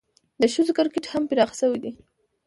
د ښځو کرکټ هم پراخه سوی دئ.